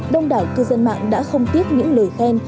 đông đảo cư dân mạng đã không tiếc những lời khen